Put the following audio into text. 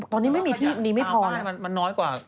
พี่เจ้ามันเกี่ยวกับปริมาณขยะไหม